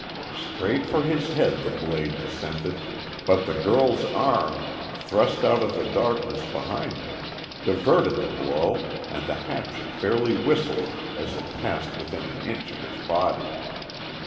Straight for his head the blade descended, but the girl's arm, thrust out of the darkness behind him, diverted the blow and the hatchet fairly whistled as it passed within an inch of his body.